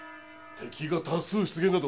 敵が多数出現だと？